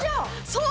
そう。